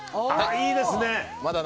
いいですね。